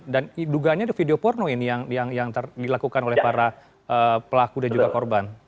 dan dugaannya video porno ini yang dilakukan oleh para pelaku dan juga korban